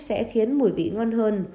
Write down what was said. sẽ khiến mùi vị ngon hơn